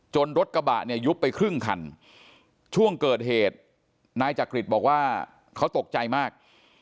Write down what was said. รถกระบะเนี่ยยุบไปครึ่งคันช่วงเกิดเหตุนายจักริตบอกว่าเขาตกใจมาก